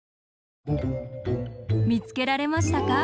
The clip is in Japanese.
みつけられましたか？